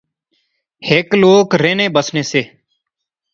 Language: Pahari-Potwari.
ہیک لوک رہنے بسنے سے